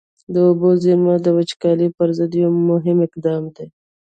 د اوبو زېرمه د وچکالۍ پر ضد یو مهم اقدام دی.